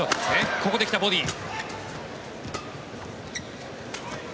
ここで来た、ボディー。